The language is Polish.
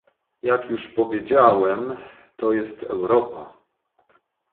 Jak już powiedziałem, to jest Europa